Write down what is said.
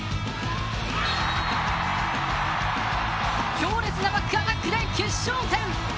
強烈なバックアタックで決勝点。